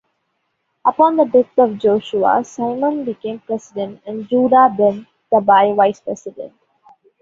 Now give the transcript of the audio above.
Upon the death of Joshua, Simeon became president and Judah ben Tabbai vice-president.